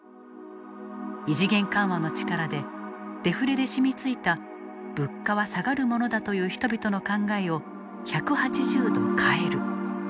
異次元緩和の力でデフレで染みついた物価は下がるものだという人々の考えを１８０度変える。